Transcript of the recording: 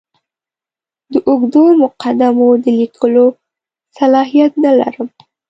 د اوږدو مقدمو د لیکلو صلاحیت نه لرم.